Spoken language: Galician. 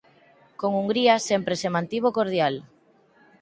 Con Hungría sempre se mantivo cordial.